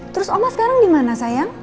terus oma sekarang dimana sayang